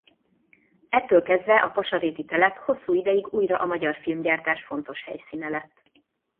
Ettől kezdve a pasaréti telep hosszú ideig újra a magyar filmgyártás fontos helyszíne lett.